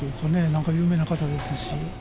なんか有名な方ですし。